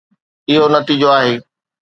اهو نتيجو آهي